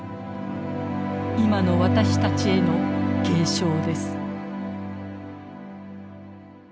今の私たちへの警鐘です。